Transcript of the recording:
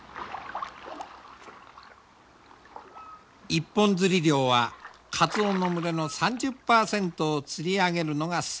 一本づり漁はカツオの群れの３０％を釣り上げるのが精いっぱいである。